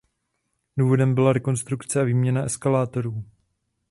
Důvodem byla rekonstrukce a výměna eskalátorů.